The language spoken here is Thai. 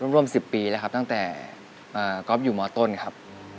ร่วม๑๐ปีแล้วครับตั้งแต่ก๊อฟอยู่มต้นครับ